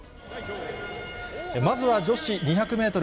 まずは女子２００メートル